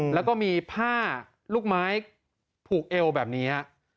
แล้วก็มีผ้าลูกไม้ผูกเอวแบบนี้